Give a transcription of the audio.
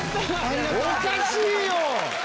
おかしいよ！